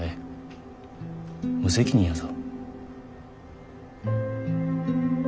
無責任やぞ。